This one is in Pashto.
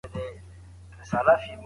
د قدرت جوړښت بايد په دقيق ډول تحليل سي.